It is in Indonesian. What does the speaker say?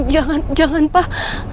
jangan jangan pak